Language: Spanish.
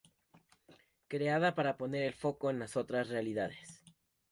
creada para poner el foco en las otras realidades